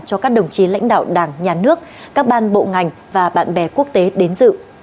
cho các đồng chí lãnh đạo đảng nhà nước các ban bộ ngành và bạn bè quốc tế đến dự